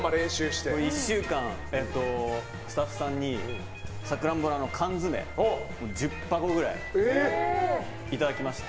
１週間、スタッフさんにさくらんぼの缶詰を１０箱くらいいただきまして。